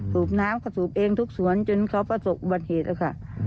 สูบน้ำก็สูบเองทุกสวนจนเขาประสบอุบัติเหตุนะคะ